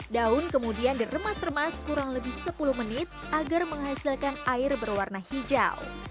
daun kemudian diremas remas kurang lebih sepuluh menit agar menghasilkan air berwarna hijau